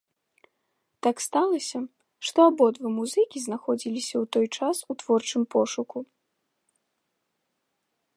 Так сталася, што абодва музыкі знаходзіліся ў той час у творчым пошуку.